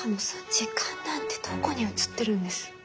時間なんてどこに写ってるんです？